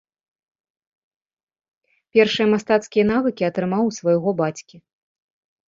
Першыя мастацкія навыкі атрымаў у свайго бацькі.